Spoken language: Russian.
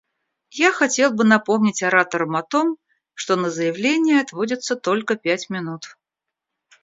Я хотел бы напомнить ораторам о том, что на заявления отводится только пять минут.